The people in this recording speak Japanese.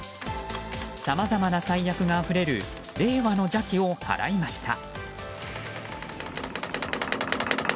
さまざまな災厄があふれる令和の邪気を払いました。